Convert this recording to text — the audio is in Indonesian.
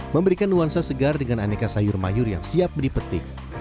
memberikan nuansa segar dengan aneka sayur mayur yang siap dipetik